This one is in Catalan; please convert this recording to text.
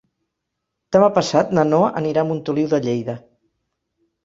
Demà passat na Noa anirà a Montoliu de Lleida.